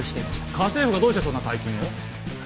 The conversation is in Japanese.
家政婦がどうしてそんな大金を？